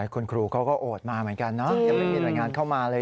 คุณครูเขาก็โอดมาเหมือนกันนะยังไม่มีรายงานเข้ามาเลย